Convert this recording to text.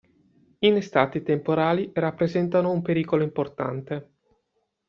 In estate i temporali rappresentano un pericolo importante.